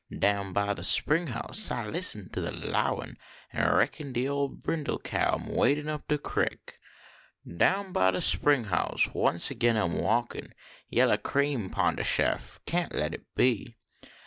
Down by de spring house I listen to de lowin ; An reckon de ole brindle cow am wadin up de creek. Down by de spring house once agin I m walkin ; Vellah cream pon de shef, kaint let it be.